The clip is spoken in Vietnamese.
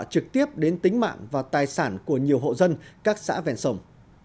trực tiếp đến tính mạng và tài sản của nhiều hộ dân các xã ven sông